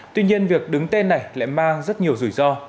tuy nhiên việc đứng tên này lại mang rất nhiều rủi ro